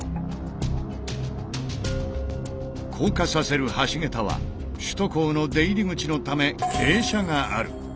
降下させる橋桁は首都高の出入り口のため傾斜がある。